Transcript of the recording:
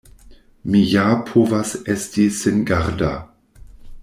Mi ja povas esti singarda!